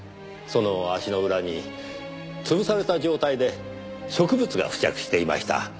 その足の裏に潰された状態で植物が付着していました。